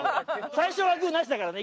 最初はグーなしだからね。